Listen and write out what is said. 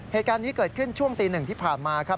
เหตุการณ์นี้เกิดขึ้นช่วงตีหนึ่งที่ผ่านมาครับ